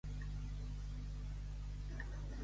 Tot s'ha de prendre com Déu ho envia.